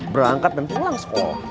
berangkat dan pulang sekolah